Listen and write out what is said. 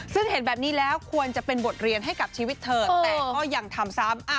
ซึ่งเห็นแบบนี้แล้วควรจะเป็นบทเรียนให้กับชีวิตเธอแต่ก็ยังทำซ้ำ